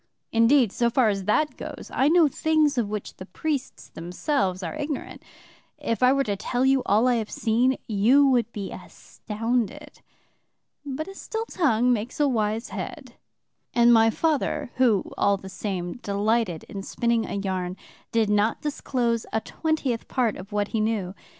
Indeed, so far as that goes, I know things of which the priests themselves are ignorant. If I were to tell you all I have seen, you would be astounded. But a still tongue makes a wise head, and my father, who, all the same, delighted in spinning a yarn, did not disclose a twentieth part of what he knew.